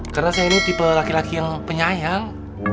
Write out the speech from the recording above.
karena saya ini tipe laki laki yang penyayang